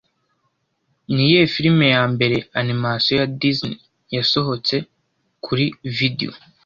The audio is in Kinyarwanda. Niyihe filime ya mbere ya animasiyo ya Disney yasohotse kuri videwo